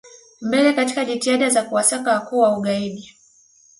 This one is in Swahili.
mbele katika jitihada za kuwasaka wakuu wa ugaidi